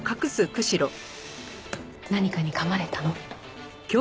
何かに噛まれたの？